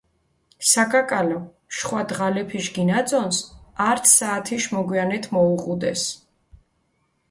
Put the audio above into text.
საკაკალო, შხვა დღალეფიშ გინაწონს, ართ საათიშ მოგვიანეთ მოუღუდეს.